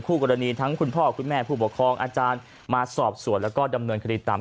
กรณีทั้งคุณพ่อคุณแม่ผู้ปกครองอาจารย์มาสอบส่วนแล้วก็ดำเนินคดีตาม